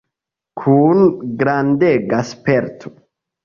Kun grandega sperto.